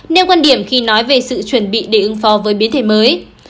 nêu quan điểm khi nói về sự chuẩn bị để ứng phó với biến thể mới